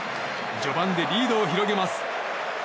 序盤でリードを広げます。